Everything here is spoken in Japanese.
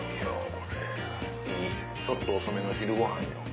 これいいちょっと遅めの昼ご飯よ。